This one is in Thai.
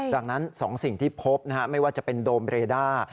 ดังนั้น๒สิ่งที่พบไม่ว่าจะเป็นโดมเรด้า